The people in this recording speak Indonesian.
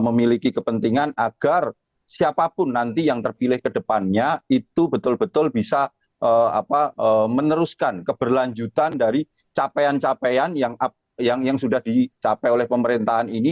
memiliki kepentingan agar siapapun nanti yang terpilih ke depannya itu betul betul bisa meneruskan keberlanjutan dari capaian capaian yang sudah dicapai oleh pemerintahan ini